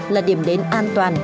là điểm đến an toàn